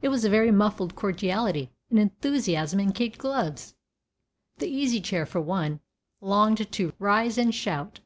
It was a very muffled cordiality, an enthusiasm in kid gloves. The Easy Chair, for one, longed to rise and shout.